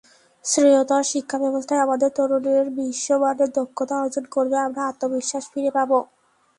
শ্রেয়তর শিক্ষাব্যবস্থায় আমাদের তরুণেরা বিশ্বমানের দক্ষতা অর্জন করবে, আমরা আত্মবিশ্বাস ফিরে পাব।